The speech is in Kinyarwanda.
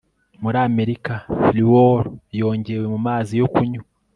muri amerika, fluor yongewe mumazi yo kunywa